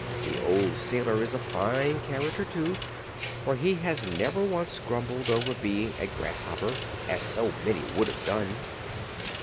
The old sailor is a fine character, too, for he has never once grumbled over being a grasshopper, as so many would have done."